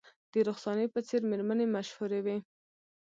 د رخسانې په څیر میرمنې مشهورې وې